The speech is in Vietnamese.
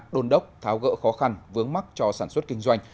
đôn đốc tháo gỡ khó khăn vướng mắt cho sản xuất kinh doanh